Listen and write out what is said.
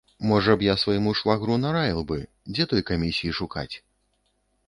Можа б, я свайму швагру нараіў бы, дзе той камісіі шукаць?